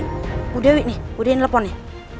mbak dewi nih mbak dewi yang telepon nih